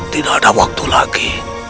tidak ada waktu lagi